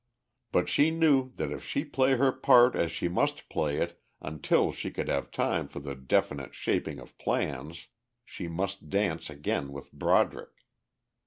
But she knew that if she play her part as she must play it until she could have time for the definite shaping of plans, she must dance again with Broderick.